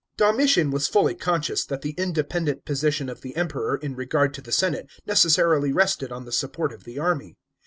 Domitian was fully conscious that the independent position of the Emperor in regp*rd to the senate necessarily rested on the support of the army.